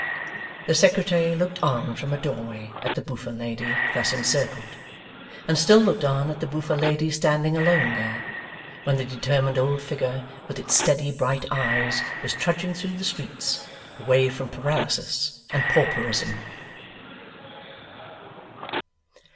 The Secretary looked on from a doorway at the boofer lady thus encircled, and still looked on at the boofer lady standing alone there, when the determined old figure with its steady bright eyes was trudging through the streets, away from paralysis and pauperism.